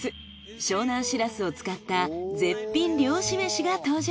湘南しらすを使った絶品漁師めしが登場。